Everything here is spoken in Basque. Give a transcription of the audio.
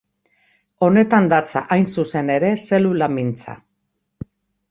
Honetan datza hain zuzen ere zelula mintza.